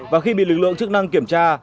và khi bị lực lượng chức năng kiểm tra